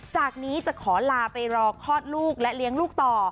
จากนี้จะขอลาไปรอคลอดลูกและเลี้ยงลูกต่อ